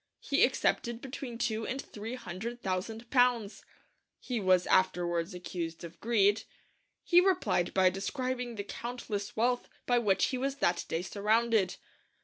He accepted between two and three hundred thousand pounds.' He was afterwards accused of greed. He replied by describing the countless wealth by which he was that day surrounded.